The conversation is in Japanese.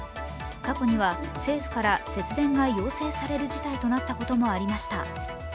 過去には政府から節電が要請される事態となったこともありました。